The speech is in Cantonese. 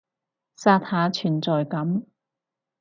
刷下存在感